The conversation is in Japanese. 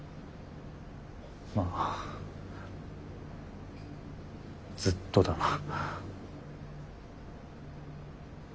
まあずっとだな。